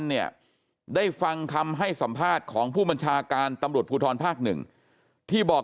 เนี่ยได้ฟังคำให้สัมภาษณ์ของผู้บัญชาการตำรวจภูทรภาคหนึ่งที่บอก